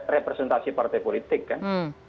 representasi partai politik kan